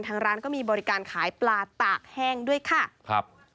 ทางร้านก็มีบริการขายปลาตากแห้งด้วยค่ะครับ